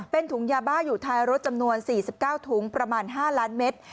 เป็นถุงยาบ้าอยู่ท้ายรถจำนวน๔๙ถุงประมาณ๕ล้านเมตร